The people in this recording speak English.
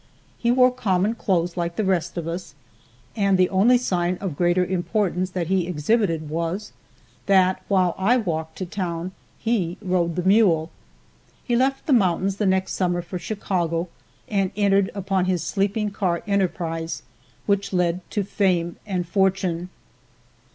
He wore common clothes like the rest of us, and the only sign of greater importance that he exhibited was, that while I walked to town, he rode the mule. He left the mountains the next summer for Chicago, and entered upon his sleeping car enterprise, which led to fame and fortune.